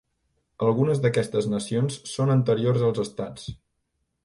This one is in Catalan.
Algunes d’aquestes nacions són anteriors als estats.